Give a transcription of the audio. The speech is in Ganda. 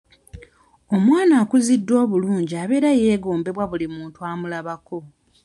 Omwana akuziddwa obulungi abeera yeegombebwa buli muntu amulabako.